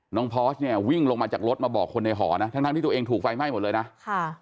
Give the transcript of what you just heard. พอร์สเนี่ยวิ่งลงมาจากรถมาบอกคนในหอนะทั้งทั้งที่ตัวเองถูกไฟไหม้หมดเลยนะค่ะ